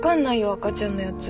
赤ちゃんのやつ。